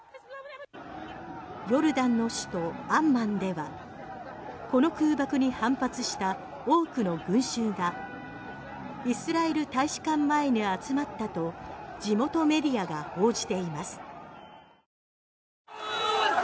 ヨルダンの首都アンマンではこの空爆に反発した多くの群衆がイスラエル大使館前に集まったと地元メディアが報じています。